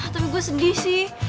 tapi gue sedih sih